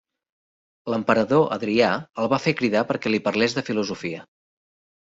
L'emperador Adrià el va fer cridar perquè li parlés de filosofia.